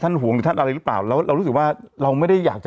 ถูก